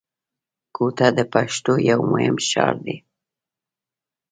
کوټه د پښتنو یو مهم ښار دی